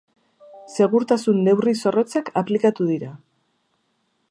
Segurtasun-neurri zorrotzak aplikatu dira.